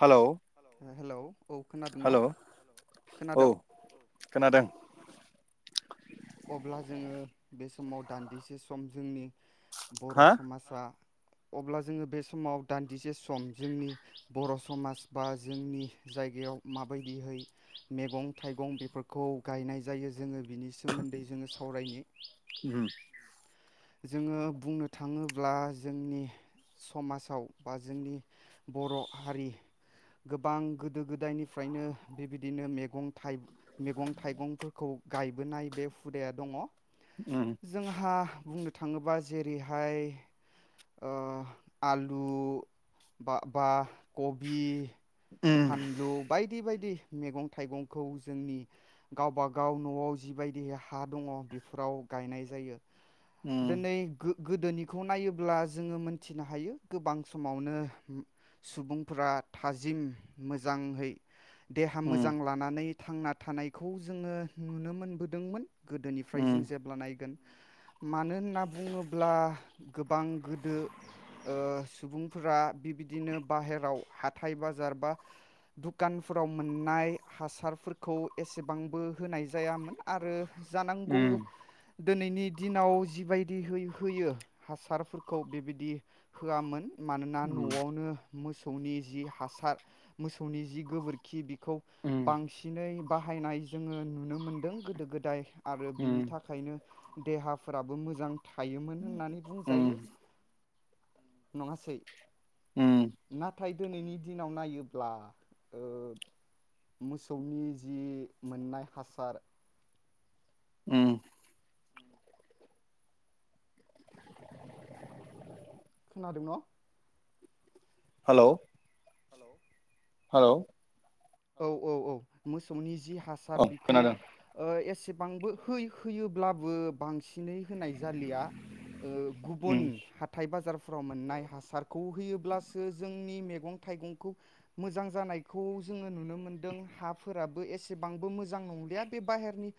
Hello. Hello. औ खोनादों hello न' औ खोनादों? खोनादों। अब्ला जोङो बे समाव दान्दिसे सम जोंनि बर' हा समाजा। अब्ला जोङो बे समाव दान्दिसे सम जोंनि बर' समाज बा जोंनि जायगायाव माबायदिहै मैगं- थाइगं बेफोरखौ। गायनाय जायो जोङो बिनि सोमोन्दै जोङो सावरायनि। उम। जोङो बुंनो थाङोब्ला जोंनि समाजाव बा जोंनि बर' हारि गोबां गोदो- गोदायनिफ्रायनो बेबायदिनो मैगं -थाइगं थाइगंफोरखौ गायबोनाय बे हुदाया दङ। उम जोंहा। बुंनो थाङोबा जेरैहाय ओ आलु बा बा कबि। उम फानलु बाय बायदि -बायदि मैगं थाइगंखौ जोंनि गावबागाव न'आव जिबायदि हा दङ बेफोराव गायनाय जायो। उम दिनै गो गोदोनिखौ नायोब्ला जोङो मोनथिनो हायो गोबां समावनो सुबुंफोरा थाजिम मोजाङै। देहा उम मोजां लानानै। थांना थानायखौ जोङो नुनो मोनबोदोंमोन। उम गोदोनिफ्राय जों जेब्ला नायगोन। मानो होनना बुङोब्ला गोबां गोदो ओ सुबुंफोरा बिबायदिनो बाहेराव हाथाय बाजार बा दुखानफोराव मोननाय हासारफोरखौ एसेबांबो होनाय जायामोन आरो उम जानांगौ दिनैनि। दिनाव जिबायदि यै होयो हासारफोरखौ बेबायदि होआमोन। मानोना न'आवनो मोसौनि जि हासार मोसौनि जि गोबोरखि बेखौ उम बांसिनै बाहायनाय जोङो नुनो मोनदों गोदो गोदाय। आरो बिनि थाखायनो फोराबो मोजां थायोमोन होननानै बुंजायो उम नङासै उम न दिनैनि दिनाव नायोब्ला ओ मोसौनि जि मोननाय हासार उम खोनादों न हेल' हेल' हेल' औ औ-औ मोसौनि जि हासार औ बिखौ खोनादों ओ एसे बां हो हो योब्लाबो बांसि होनाय जालिया ओ उम गुबुन हाथाय बाजार फाव मोननाय हासारखौ होयोब्लासो जोंनि मैगं थाइगंखौ मोजां जानायखौ जोङो नुनो मोनदों हाफोराबो एसेबांबो मोजां नंलिया बे बाहेरनि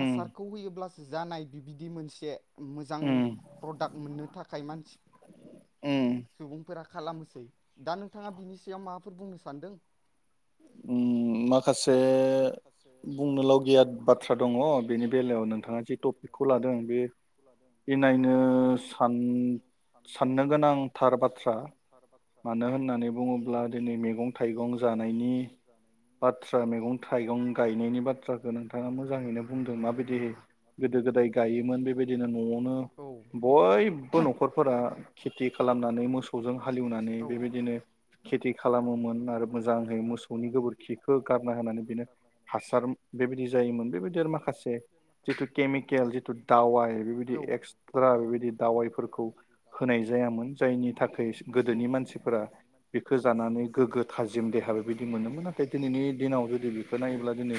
उम हासारखौ होयोब्ला जानाय बिबायदि मोनसे मोजां उम प्रडाक्ट मोननो थाखाय मानसि उम सुबुंफोरा खालामनोसै दा नोंथाङा बिनि सायाव माबाफोर बुंनो सानदों उम माखासे बुंनोल गिया बाथ्रा दङ बेनि बेलायाव नोंथाङा जि टपिकखौ लादों बे इनायनो सान साननो गोनांथार बाथ्रा मानो होननानै बुङोब्ला दिनै मैगं थाइगं जानायनि बाथ्रा मैगं थाइगं गायनायनि बाथ्राखौ नोंथाङा मोजाङैनो बुंदों माबायदिहै गोदो गोदाय गायोमोन बेबायदिनो न आवनो बयबो न न'आवनो खरफोरा खेथि खालामनानै मोसौजों हालेवनानै बेबायदिनो खेथि खालामोमोन आरो मोजाङै मो गोबोरखिखौ गारनो हाना हासार बेबायदि जायोमोन बेबायदि आरो माखासे जिथु केमिकेल जिथु दावाइ बेबायदि एक्सट्रा बेबायदि दावाइफोरखौ होनाय जायामोन जायनि थाखाय गोदोनि मानसिफोरा बेखौ जानानै गोग्गो थाजिम देहाबो बिदि मोनोमोन नाथाय दिनैनि दि बेखौ नायोब्ला दिनै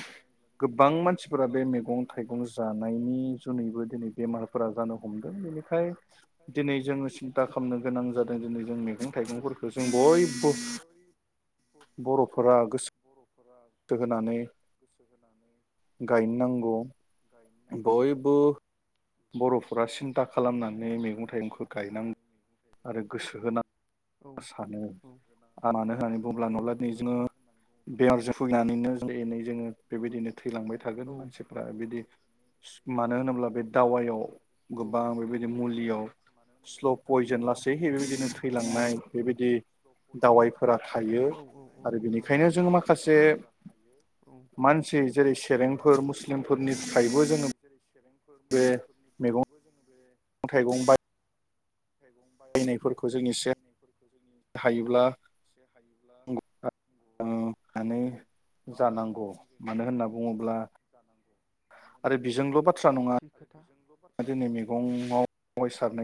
गोबां मानसिफोरा बे मैगं थाइगं जानायनि जुनैबो दिनै बेमारफोरा जानो हमदों बेनिखाय दिनै जोङो सिन्था खालामनो गोनां जादों दिनै जों मैगं थाइगंफोरखौ जों बयबो बर- फोरा गोस [unintelligible] होनानै गायनो नांगौ। [unintelligible] बयबो बर'फोरा सिन्था खालामनानै बरफोरा मैगं सिनता थाइगंखौ खालामनानै गायनांगौ मैगं थायगं आरो गोसो होनां गायनांगो [unintelligible] औ सानो आरो औ मानो होननानै बुङोब्ला नङाब्ला दिनै जोङो औमानो होननानै बुङोब्ला बेमारजों भुगिनानैनो एनै जोङो बेबायदिनो थैलांबाय थागोन मानसिफ्रा बिदि मानो होनोब्ला बे दावायाव गोबां बेबायदि मुलियाव स्ल पयजन लासैहै बेबायदिनो थैलांनाय बेबायदि दावाइफोरा थायो आरो बेनिखायनो जोङो माखा माखासे मानसि जेरै सेरेंफोर मुस्लिमफोरनि मानसि जरै सेरें फोर मुस्लिमफोरनि मैगं थाखायबो जोङो बे थाइगं [inaudible] बायनायफोरखौ जों एसे जोंनि हायोब्ला एसे हायोब्ला बर [unintelligible] नानै जानांगौ मानो होनना बुङोब्ला आरो बेजोंल' बाथ्रा नङा दिनै मैगङाव सारनाय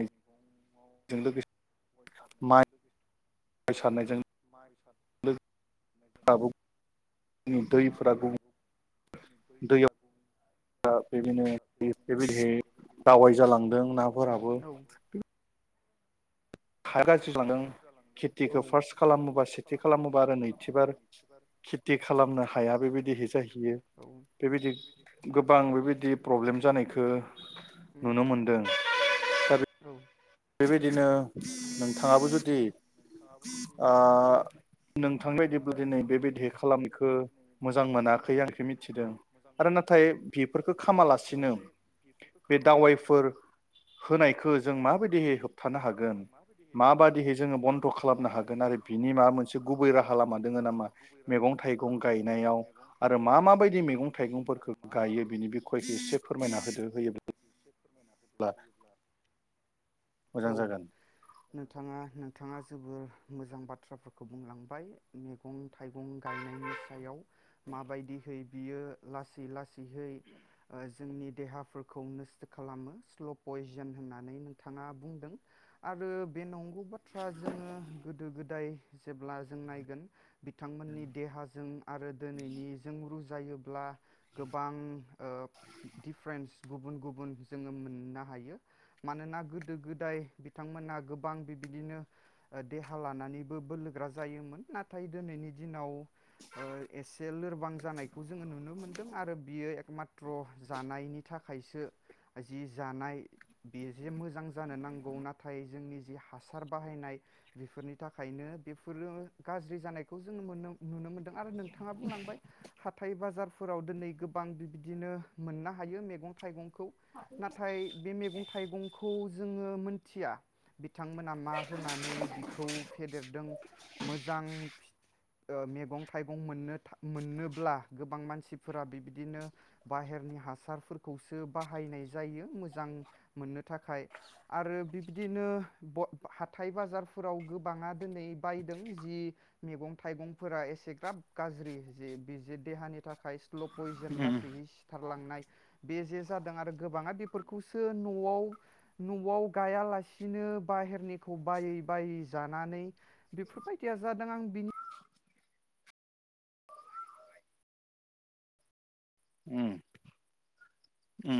जों लोगोसे माइ सारनायजों [unintelligible] [unintelligible] दैफोरा गुबु दै फ्रा [unintelligible] दा बेबायनो बेबायदि दावाय जालांदों नाफोराबो हाया हायाबो जालांदों गाज्रि जालांदों औ खेथिखौ फार्स्ट खेथिखौ खालामोबा फार्स् सेथि खालामोबा आरो सेथि खालामोबा नैथिबार आरो नैथिबार खेथि खालामनो खेथि खालामनो हाया बेबायदिहै बेबायदि जाहैयो ज औ बेबायदि गोबां बेबायदि प्रब्लेम जानायखौ नुनो दा मोनदों औ बेबायदिनो नोंथाङाबो जुदि आ नोंथां बायदि नै बेबायदि खालामनायखो मोजां मोनाखै आं खो मिथिदों आरो नाथाय बेफोरखौ खामालासिनो बे दावायफोर होनायखौ जों माबाय यै होबथानो हागोन? माबादिहै जोङो बन्द' खालामनो हागोन आरो बिनि माबा मोनसे गुबै राहा लामा दोङ नामा मैगं थाइगं गायनायाव आरो मा माबायदि मैगं थाइगंफोरखौ गायो बिनि बिखयखौ एसे फोरमायना होदो। होयो ब्ला मोजां औ जागोन। नोंथाङा नोंथाङा जोबोर मोजां बाथ्राफोरखौ बुंलांबाय मैगं थाइगं गायनायनि सायाव माबायदिहै बियो लासै लासैहै जोंनि देहाफोरखौ नस्थ' खालामो स्ल' पयजन होननानै नोंथाङा बुंदों आरो बे नं गौ बाथ्रा जोङो गोदो गोदाय जेब्ला जों नायगोन बिथांमोननि देहाजों आरो दिनैनि जों रुजु जायोब्ला गोबां ओ दिफेरेन्स गुबुन गुबुन जोङो मोननो हायो। मानोना गोदो गोदाय बिथांमोना गोबां बिबायदिनो देहा लानानैबो बोलोग्रा जायोमोन नाथाय दिनैनि दिनाव ओ एसे लोरबां जानायखौ जोङो नुनो मोनदों आरो बियो एकमाथ्र' जानायनि थाखायसो जि जानाय बेयो जे मोजां जानो नांगौ ना थाय जोंनि जि हासार बाहायनाय बेफोरनि थाखायनो बेफोरो गाज्रि जानायखौ जोङो मोननो नुनो मोनदों आरो नोंथाङा बुंलांबाय हाथाइ बाजारफोराव दिनै गोबां बिबायदिनो मोननो हायो मैगं थाइगंखौ। नाथाय बे मेगं थाइगंखौ जोङो मोन थिया बिथांमोना मा होनानै बिखौ फेदेरदों मोजां फिथ ओ मैगं थाइगं मोननो मोननोब्ला गोबां मानसिफोरा बिबायदिनो बाहेरनि हासारफोरखौसो बाहायनाय जायो मोजां मोननो थाखाय आरो बिब्दिनो ब हाथाय बाजारफोराव गोबाङा दिनै बायदों जि मेगं थाइगंफोरा एसेग्राब गाज्रि जि बि देहानि थाखाय ल' पयजन उम लासैयै सिथारलांनाय बे जे जादों आरो गोबाङा बेफोरखौसो न'आव न'आव गायालासिनो बाहेरनिखौ बायै बायै जानानै बेफोरबायदिया जादों आं बिनि उम उम।